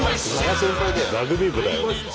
ラグビー部だよ。